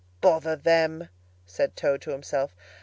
"Bother them!" said Toad to himself.